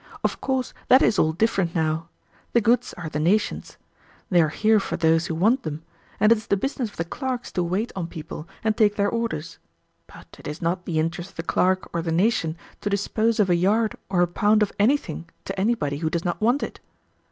Of course that is all different now. The goods are the nation's. They are here for those who want them, and it is the business of the clerks to wait on people and take their orders; but it is not the interest of the clerk or the nation to dispose of a yard or a pound of anything to anybody who does not want it."